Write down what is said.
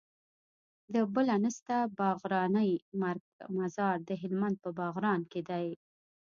د بله نسته باغرانی مزار د هلمند په باغران کي دی